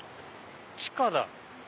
地下だ。